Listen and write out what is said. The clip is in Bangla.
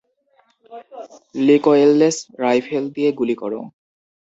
রিকোয়েললেস রাইফেল দিয়ে গুলি কর!